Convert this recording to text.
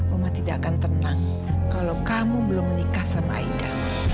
umat tidak akan tenang kalau kamu belum menikah sama aida